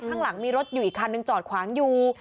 ข้างหลังมีรถอยู่อีกคันหนึ่งจอดขวางอยู่